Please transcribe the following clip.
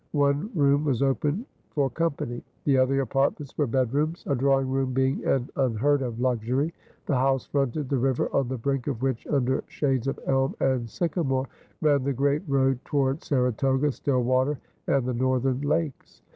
One room was open for company. The other apartments were bedrooms, a drawing room being an unheard of luxury. "The house fronted the river, on the brink of which, under shades of elm and sycamore, ran the great road toward Saratoga, Stillwater, and the northern lakes."